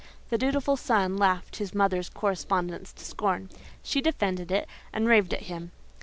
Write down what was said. The dutiful son laughed his mother's correspondence to scorn. She defended it, and raved at him.